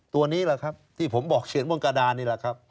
ตัวนี้ล่ะครับที่ผมบอกเฉียนวงกระดานนี้ล่ะครับ